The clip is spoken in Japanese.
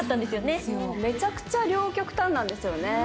めちゃくちゃ両極端なんですよね。